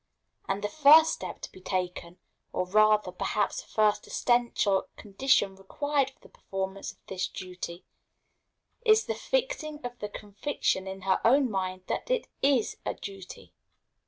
And the first step to be taken, or, rather, perhaps the first essential condition required for the performance of this duty, is the fixing of the conviction in her own mind that it is a duty.